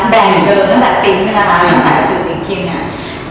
แบ่งเดิมตั้งแต่ปริศนาตั้งแต่สื่อสินคิมเนี่ย